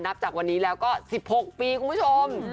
จากวันนี้แล้วก็๑๖ปีคุณผู้ชม